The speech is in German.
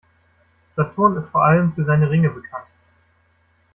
Saturn ist vor allem für seine Ringe bekannt.